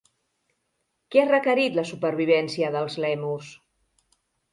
Què ha requerit la supervivència dels lèmurs?